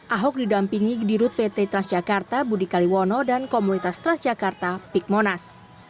ahok didampingi dirut pt transjakarta budi kaliwono dan komunitas transjakarta pik monas